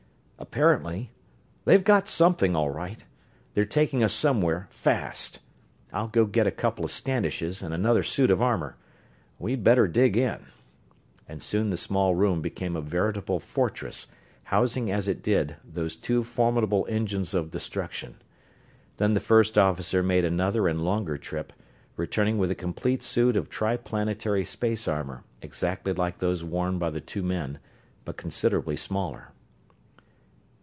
"Apparently. They've got something, all right. They're taking us somewhere, fast. I'll go get a couple of Standishes, and another suit of armor we'd better dig in," and soon the small room became a veritable fortress, housing as it did, those two formidable engines of destruction. Then the first officer made another and longer trip, returning with a complete suit of triplanetary space armor, exactly like those worn by the two men, but considerably smaller.